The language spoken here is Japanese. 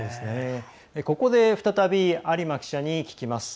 ここで再び有馬記者に聞きます。